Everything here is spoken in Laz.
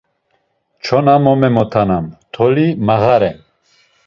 Çona mo memotanam, toli mağaren.